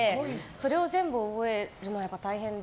それを全部覚えるのが大変で。